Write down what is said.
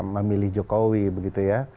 memilih jokowi begitu ya